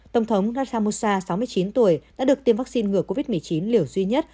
tổng thống ngasamosa sáu mươi chín tuổi đã được tiêm vaccine ngừa covid một mươi chín liều duy nhất